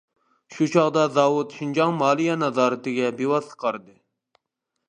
شۇ چاغدا زاۋۇت شىنجاڭ مالىيە نازارىتىگە بىۋاسىتە قارىدى.